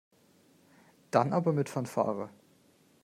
Dann aber mit Fanfare.